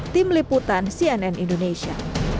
tim liputan cnn indonesia